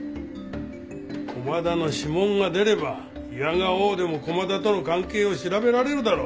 駒田の指紋が出れば否が応でも駒田との関係を調べられるだろう？